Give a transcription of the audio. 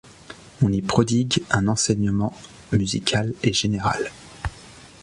On y prodigue un enseignement musical et général.